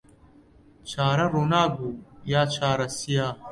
چارە ڕووناک بوو یا چارە سیا